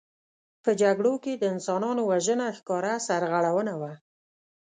په جګړو کې د انسانانو وژنه ښکاره سرغړونه وه.